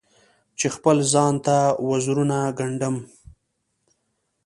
چې خپل ځان ته وزرونه ګنډم